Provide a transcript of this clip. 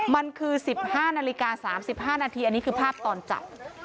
มันคือ๑๕นาฬิกา๓๕นาทีอันนี้คือภาพตอนจับ